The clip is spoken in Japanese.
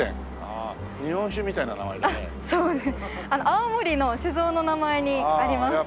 泡盛の酒蔵の名前にあります。